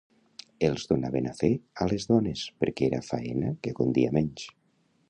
Els donaven a fer a les dones perquè era faena que condia menys.